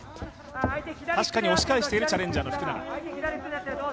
確かに押し返しているチャレンジャーの福永。